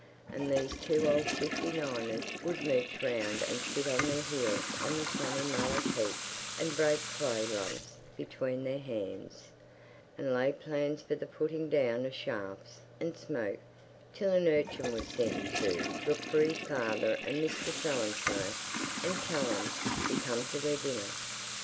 And these two old fifty niners would mooch round and sit on their heels on the sunny mullock heaps and break clay lumps between their hands, and lay plans for the putting down of shafts, and smoke, till an urchin was sent to "look for his father and Mr So and so, and tell 'em to come to their dinner."